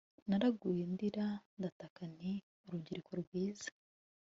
naraguye ndira, ndataka nti 'urubyiruko rwiza